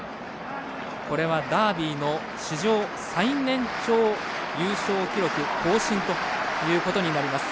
これはダービーの史上最年長優勝記録更新ということになります。